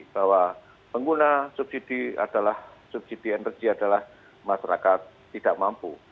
bahwa pengguna subsidi adalah subsidi energi adalah masyarakat tidak mampu